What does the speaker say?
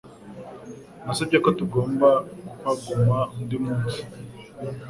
Nasabye ko tugomba kuhaguma undi munsi